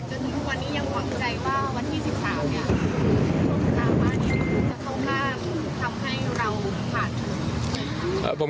อย่างหวังใจว่าวันที่๑๓นี้ต้องการทำให้เราถาดถง